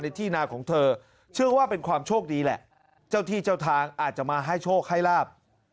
ที่นาของเธอเชื่อว่าเป็นความโชคดีแหละเจ้าที่เจ้าทางอาจจะมาให้โชคให้ลาบ